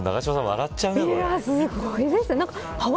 すごいですね。